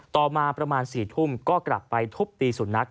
ต่อมาประมาณ๔ทุ่มก็กลับไปทุบตีสุนัข